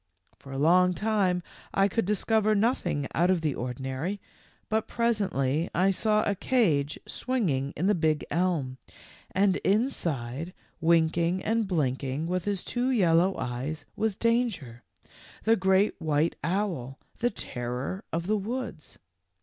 For a long time I could dis cover nothing out of the ordinary, but pres ently I saw a cage swinging in the big elm, and inside, winking and blinking with his two yel low eyes, was Danger, the great white owl, the terror of the woods.